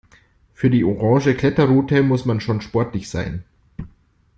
Für die orange Kletterroute muss man schon sportlich sein.